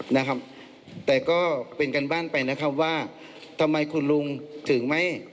นะครับแต่ก็เป็นกันบ้านไปนะครับว่าทำไมคุณลุงถึงไม่